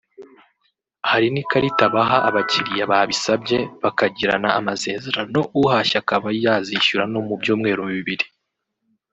hari n’ikarita baha abakiriya babisabye bakagirana amasezerano uhashye akaba yazishyura no mu byumweru bibiri